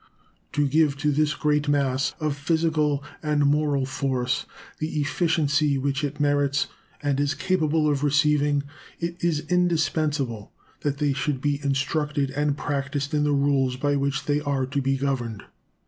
To give to this great mass of physical and moral force the efficiency which it merits, and is capable of receiving, it is indispensable that they should be instructed and practiced in the rules by which they are to be governed.